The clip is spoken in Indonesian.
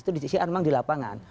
itu di pcr memang di lapangan